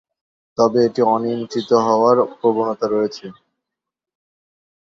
তবে এটি অনিয়ন্ত্রিত হওয়ার প্রবণতা রয়েছে।